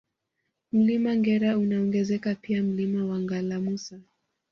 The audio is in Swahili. Mlima Ngera unaongezeka pia Mlima wa Ngalamusa